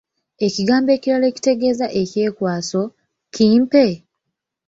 Ekigambo ekirala ekitegeeza ekyekwaso, kimpe?